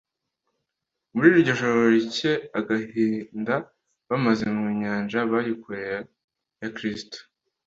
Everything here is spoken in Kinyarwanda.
Muri iryo joro ritcye agahinda bamaze mu nyanja, bari kure ya Kristo,